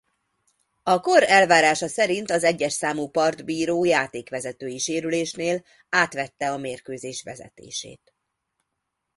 A kor elvárása szerint az egyes számú partbíró játékvezetői sérülésnél átvette a mérkőzés vezetését.